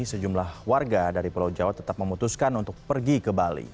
sejumlah warga dari pulau jawa tetap memutuskan untuk pergi ke bali